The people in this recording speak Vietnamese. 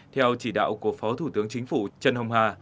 theo chỉ đạo của phó thủ tướng chính phủ trần hồng hà